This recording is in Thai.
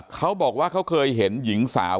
เขาบอกว่าเขาเคยเห็นหญิงสาว